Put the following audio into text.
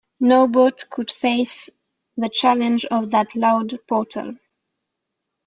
No boat could face the challenge of that loud portal.